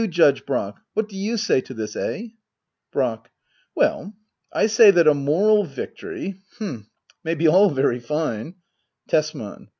Judge Brack — what do you say to this ? Eh ? Brack. Well, I say that a moral victory — h'm — may be all very fine Tesman.